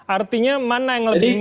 artinya mana yang lebih